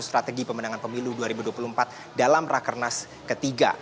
strategi pemenangan pemilu dua ribu dua puluh empat dalam rakernas ketiga